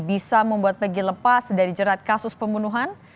bisa membuat maggie lepas dari jerat kasus pembunuhan